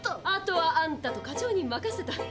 あとはあんたと課長に任せた。